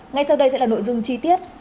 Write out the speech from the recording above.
ngay sau đây sẽ là nội dung chi tiết